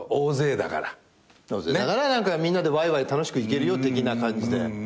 だからみんなでわいわい楽しく行けるよ的な感じで。